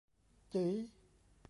จึ๋ย